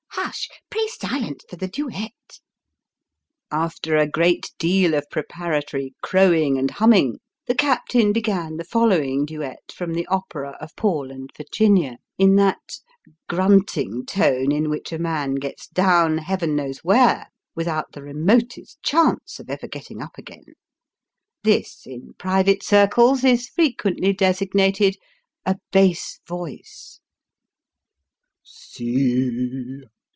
" Hush ! pray, silence for the duet." After a great deal of preparatory crowing and humming, the captain began the following duet from the opera of " Paul and Virginia," in that grunting tone in which a man gets down, Heaven knows where, without the remotest chance of ever getting up again. This, in private circles, is frequently designated "a bass voice."